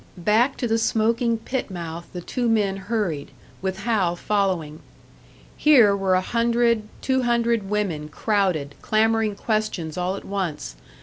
Back to the smoking pit mouth the two men hurried, with Hal following. Here were a hundred, two hundred women crowded, clamouring questions all at once.